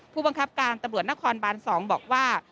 ผู้บังคับการตรนครบ๒บอกว่า